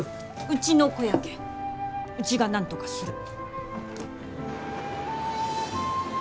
うちの子やけんうちがなんとかする。